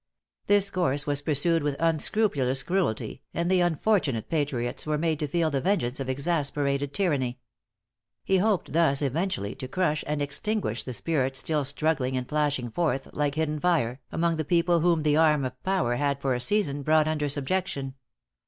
This course was pursued with unscrupulous cruelty, and the unfortunate patriots were made to feel the vengeance of exasperated tyranny. He hoped thus eventually to crush and extinguish the spirit still struggling and flashing forth, like hidden fire, among the people whom the arm of power had for a season brought under subjection.